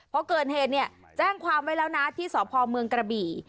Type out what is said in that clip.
พอเกิดเหตุเนี่ยแจ้งความไว้แล้วนะที่สพเมืองกระบี่